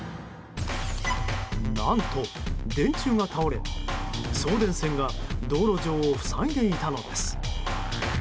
何と、電柱が倒れ送電線が道路上を塞いでいたのです。